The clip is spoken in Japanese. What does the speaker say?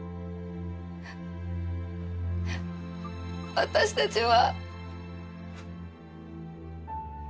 私たちは。